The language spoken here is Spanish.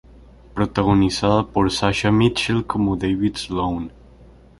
Protagonizada por Sasha Mitchell como David Sloane.